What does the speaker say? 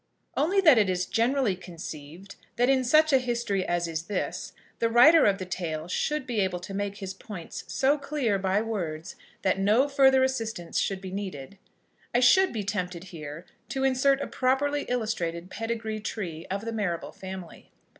Only that it is generally conceived that in such a history as is this the writer of the tale should be able to make his points so clear by words that no further assistance should be needed, I should be tempted here to insert a properly illustrated pedigree tree of the Marrable family.